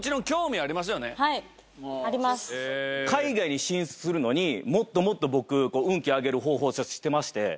海外に進出するのにもっと運気上げる方法を知ってまして。